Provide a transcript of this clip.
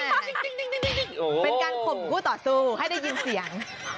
เป็นการข่มคู่ต่อสู้ให้ได้ยินเสียง